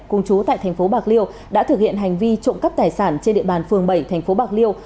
cùng chú tại tp bạc liêu đã thực hiện hành vi trộm cắp tài sản trên địa bàn phường bảy tp bạc liêu